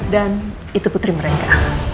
dan itu putri mereka